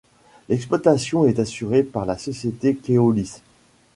L’exploitation est assurée par la société Keolis.